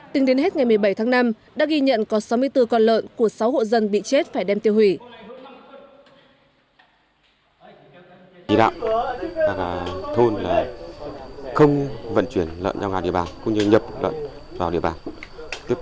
tính đến hết ngày một mươi bảy tháng năm đã ghi nhận có sáu mươi bốn con lợn của sáu hộ dân bị chết phải đem tiêu hủy